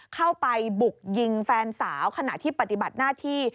เข้าไปบุกยิงแฟนสาวขณะที่ปฏิบัติหน้าที่